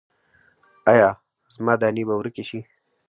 ایا زما دانې به ورکې شي؟